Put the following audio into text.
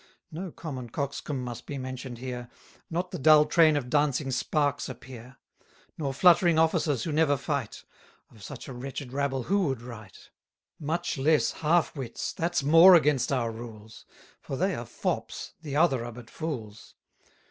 No common coxcomb must be mentioned here: Not the dull train of dancing sparks appear; 50 Nor fluttering officers who never fight; Of such a wretched rabble who would write? Much less half wits: that's more against our rules; For they are fops, the other are but fools.